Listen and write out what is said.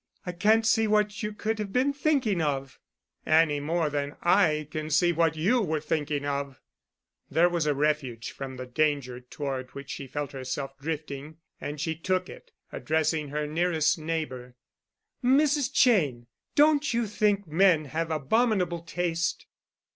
I can't see what you could have been thinking of——" "Any more than I can see what you were thinking of." There was a refuge from the danger toward which she felt herself drifting, and she took it, addressing her nearest neighbor. "Mrs. Cheyne, don't you think men have abominable taste?"